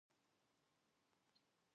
فرهنګ د خلکو د جامو او خوراک بڼه ټاکي.